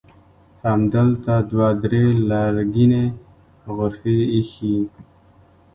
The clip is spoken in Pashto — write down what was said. همدلته دوه درې لرګینې غرفې ایښي.